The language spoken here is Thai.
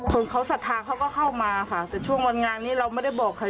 คนเขาศรัทธาเขาก็เข้ามาค่ะแต่ช่วงวันงานนี้เราไม่ได้บอกใคร